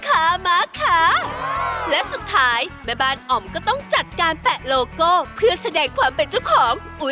ขั้นตอนต่อไปแม่บ้านไอซ์ก็จัดการเอาโผล่มขนมุ้งมิ้งฟรุ้งฟริ้ง